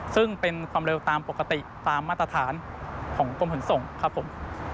ซึ่งเป็นความเร็วตามปกติตามมาตรฐานของกรมขนส่งครับผม